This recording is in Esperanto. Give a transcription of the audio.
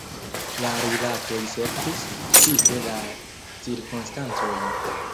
La rilatoj sekvis, spite la cirkonstancojn.